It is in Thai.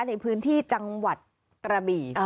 ในพื้นที่จังหวัดกระบี่